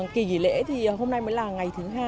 kỳ nghỉ lễ thì hôm nay mới là ngày thứ hai